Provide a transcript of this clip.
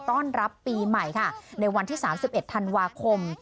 ต้อนรับปีใหม่ค่ะในวันที่สามสิบเอ็ดธันวาคม